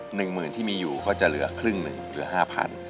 หนึ่งหมื่นที่มีอยู่ก็จะเหลือครึ่งหนึ่งเหลือห้าพัน